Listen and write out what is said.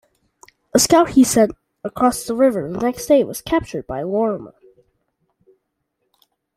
A scout he sent across the river the next day was captured by Lorimier.